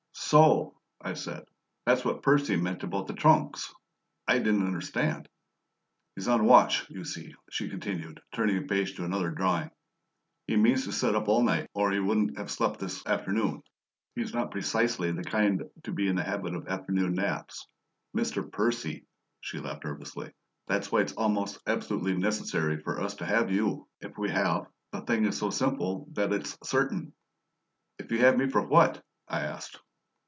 "So," I said, "that's what Percy meant about the trunks. I didn't understand." "He's on watch, you see," she continued, turning a page to another drawing. "He means to sit up all night, or he wouldn't have slept this afternoon. He's not precisely the kind to be in the habit of afternoon naps Mr. Percy!" She laughed nervously. "That's why it's almost absolutely necessary for us to have you. If we have the thing is so simple that it's certain." "If you have me for what?" I asked.